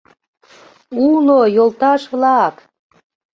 — Уло, йолташ-влак!..